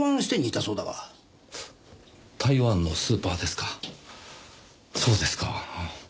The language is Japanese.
台湾のスーパーですかそうですか。